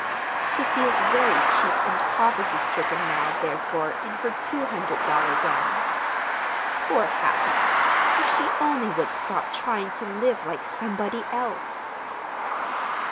She feels very cheap and poverty stricken now, therefore, in her two hundred dollar gowns. Poor Hattie! If she only would stop trying to live like somebody else!"